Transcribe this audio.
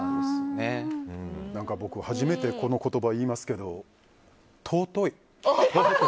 僕、初めてこの言葉を言いますけど尊い。